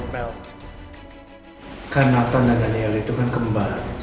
mel kan nathan dan daniel itu kan kembar